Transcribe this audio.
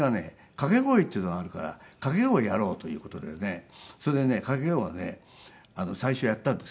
掛け声っていうのがあるから掛け声やろうという事でねそれでね掛け声をね最初やったんですけどね。